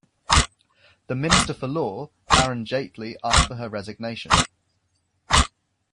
The Minister for Law, Arun Jaitley asked for her resignation.